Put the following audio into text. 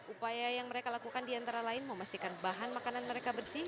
upaya yang mereka lakukan diantara lain memastikan bahan makanan mereka bersih